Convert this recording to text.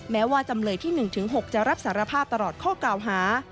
แม้ว่าจำเลยที่๑๖จะรับสารภาพตลอดข้อกล่าวหา